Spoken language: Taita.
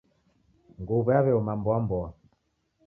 Nguw'o yaw'eoma mboa mboa.